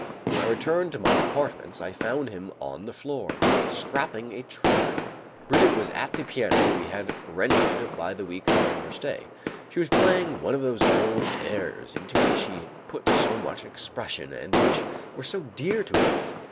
When I returned to my apartments, I found him on the floor, strapping a trunk. Brigitte was at the piano we had rented by the week during our stay. She was playing one of those old airs, into which she put so much expression and which were so dear to us.